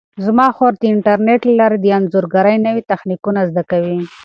زما خور د انټرنیټ له لارې د انځورګرۍ نوي تخنیکونه زده کوي.